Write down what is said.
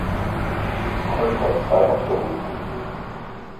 Käufer, sei auf der Hut!